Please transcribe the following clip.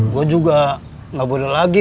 gua juga nggak boleh lagi